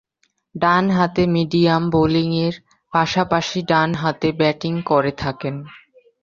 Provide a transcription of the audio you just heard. ডানহাতে মিডিয়াম বোলিংয়ের পাশাপাশি ডানহাতে ব্যাটিং করে থাকেন।